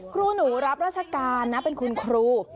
ครูหนูรับราชการนะเป็นคุณครู